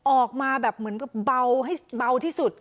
ออกมาแบบเหมือนเบาที่สุด